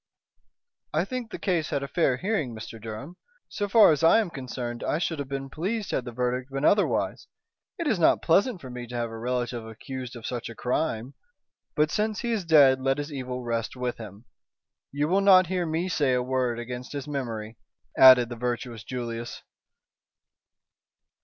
"I think the case had a fair hearing, Mr. Durham. So far as I am concerned I should have been pleased had the verdict been otherwise. It is not pleasant for me to have a relative accused of such a crime. But since he is dead let his evil rest with him. You will not hear me say a word against his memory," added the virtuous Julius.